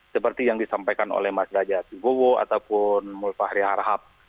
seperti yang disampaikan oleh mas derajat wibowo ataupun mulfahri harhab